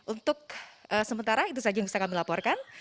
untuk sementara itu saja yang bisa kami laporkan